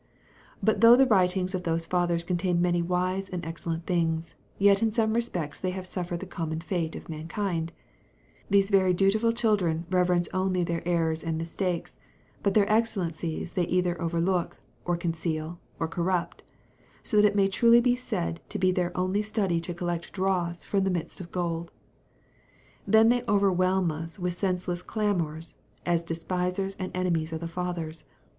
But though the writings of those fathers contain many wise and excellent things, yet in some respects they have suffered the common fate of mankind; these very dutiful children reverence only their errors and mistakes, but their excellences they either overlook, or conceal, or corrupt; so that it may truly be said to be their only study to collect dross from the midst of gold. Then they overwhelm us with senseless clamours, as despisers and enemies of the fathers.